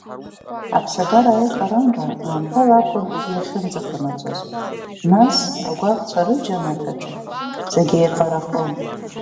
Аԥсабара аиҟарамра аамҭала акәын иахьынӡаҟанаҵоз, нас агәаҟцәа рыџьанаҭ аҿы зегьы еиҟарахон.